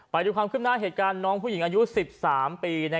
ไปดูความขึ้นหน้าเหตุการณ์น้องผู้หญิงอายุ๑๓ปี